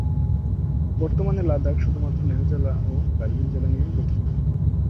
বর্তমানের লাদাখ শুধুমাত্র লেহ জেলা ও কার্গিল জেলা নিয়ে গঠিত।